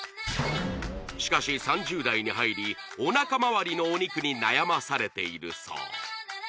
しかし３０代に入りおなかまわりのお肉に悩まされているそう